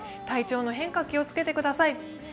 体調の変化、気を付けてください。